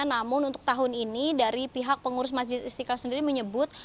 namun untuk tahun ini dari pihak pengurus masjid istiqlal sendiri menyebut